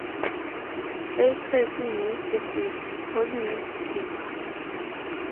A. Tracey used the phrase "coordinate paper".